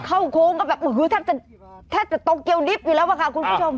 เข้าโค้งก็แบบแทบจะตกเกียวดิบอยู่แล้วค่ะคุณผู้ชม